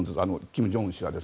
金正恩氏が。